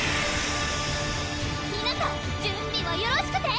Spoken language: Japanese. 皆さん準備はよろしくて？